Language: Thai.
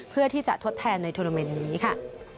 เพื่อที่จะทดแทนในโทรเมนต์นี้ค่ะ